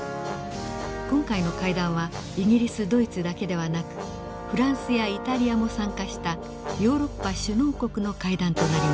今回の会談はイギリスドイツだけではなくフランスやイタリアも参加したヨーロッパ首脳国の会談となりました。